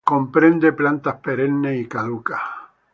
Comprende plantas perennes y caducas.